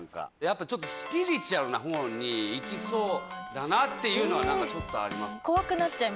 やっぱりちょっとスピリチュアルな方にいきそうだなっていうのはなんかちょっとあります。